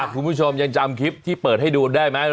คุณผู้ชมยังจำคลิปที่เปิดให้ดูได้ไหม